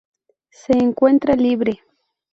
Se encuentra libre.